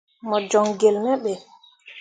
Mo joŋ gelle me ɓe.